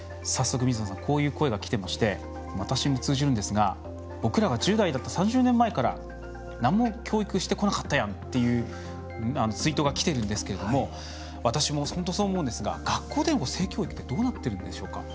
こういう声がきていまして私も通じるんですが僕らが１０代だった３０年前から教育してこなかったやんとツイートがきていますが私も本当にそう思いますが学校での性教育ってどうなっているんでしょうか。